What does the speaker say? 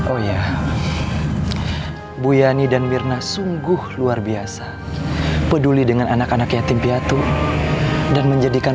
oh ya bu yani dan mirna sungguh luar biasa peduli dengan anak anak yatim piatu dan menjadikan